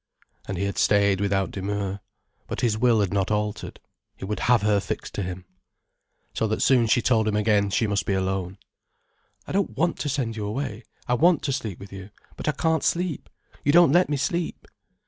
And he had stayed without demur. But his will had not altered. He would have her fixed to him. So that soon she told him again she must be alone. "I don't want to send you away. I want to sleep with you. But I can't sleep, you don't let me sleep."